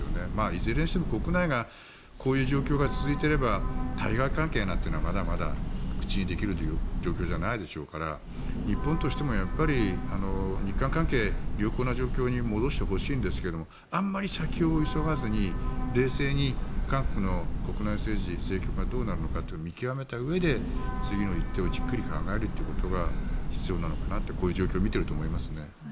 いずれにしても国内がこういう状態が続いていれば対外関係なんてのはまだまだ口にできる状況ではないでしょうから日本としても日韓関係、良好な状況に戻してほしいんですがあまり先を急がずに冷静に韓国の国内政治、政局がどうなるのかを見極めたうえで、次の一手をじっくり考えるということが必要なのかなってこういう状況を見ていると思いますね。